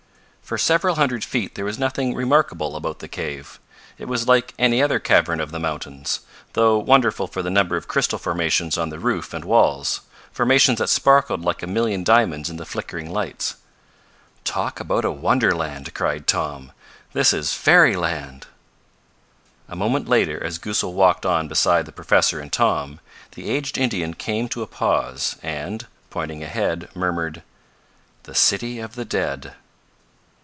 For several hundred feet there was nothing remarkable about the cave. It was like any other cavern of the mountains, though wonderful for the number of crystal formations on the roof and walls formations that sparkled like a million diamonds in the flickering lights. "Talk about a wonderland!" cried Tom. "This is fairyland!" A moment later, as Goosal walked on beside the professor and Tom, the aged Indian came to a pause, and, pointing ahead, murmured: "The city of the dead!"